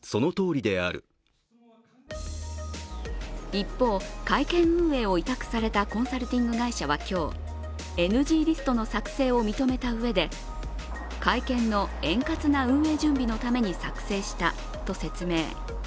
一方、会見運営を委託されたコンサルティング会社は今日、ＮＧリストの作成を認めたうえで、会見の円滑な運営準備のために作成したと説明。